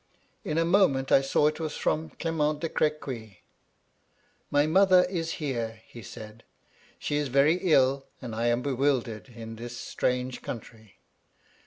In a moment 1 saw It was from Clement de Crequy. * My mother is here,' he said :' she is very ill, and I am bewildered in this strange country.